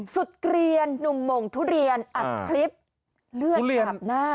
เกลียนหนุ่มหม่งทุเรียนอัดคลิปเลือดอาบหน้า